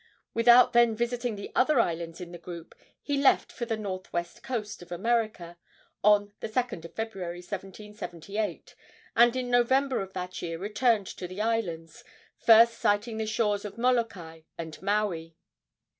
Without then visiting the other islands of the group, he left for the northwest coast of America on the 2d of February, 1778, and in November of that year returned to the islands, first sighting the shores of Molokai and Maui.